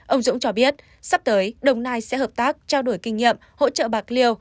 ông dũng cho biết sắp tới đồng nai sẽ hợp tác trao đổi kinh nghiệm hỗ trợ bạc liêu